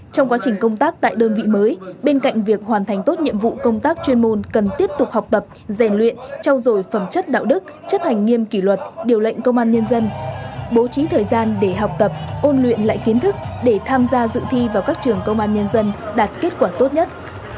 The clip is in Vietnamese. trong quá trình công tác tại đơn vị mới bên cạnh việc hoàn thành tốt nhiệm vụ công tác chuyên môn cần tiếp tục học tập rèn luyện trao dổi phẩm chất đạo đức chấp hành nghiêm kỷ luật điều lệnh công an nhân dân bố trí thời gian để học tập ôn luyện lại kiến thức để tham gia dự thi vào các trường công an nhân dân đạt kết quả tốt nhất